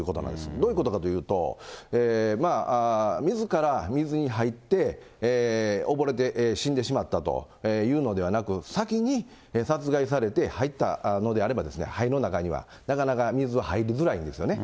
どういうことかというと、みずから水に入って溺れて死んでしまったというのではなく、先に殺害されて入ったのであれば、肺の中にはなかなか水、入りづらいんですよね。